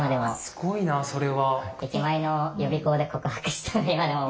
すごいなそれは。